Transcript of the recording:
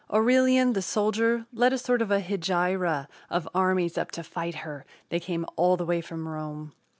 Aurelian, the soldier, led a sort of a hegira Of armies up to fight her they came all the way from Rome.